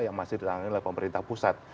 yang masih ditangani oleh pemerintah pusat